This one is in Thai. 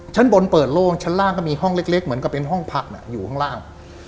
ชั้นบนเปิดโล่งชั้นล่างก็มีห้องเล็กเหมือนกับเป็นห้องพักอยู่ข้างล่าง